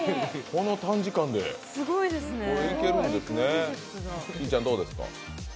この短時間でいけるんですね。